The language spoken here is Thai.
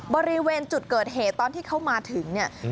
บริเวณจุดเกิดเหตุตอนที่เขามาถึงเนี่ย